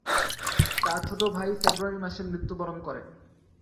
তার ছোট ভাই ফেব্রুয়ারি মাসে মৃত্যুবরণ করে।